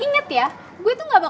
kenapa gue sukanya sama roman